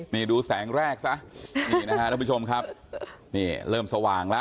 นี่ดูแสงแรกซะนี่นะคะท่านผู้ชมครับเริ่มสว่างละ